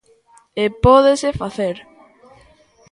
E pódese facer.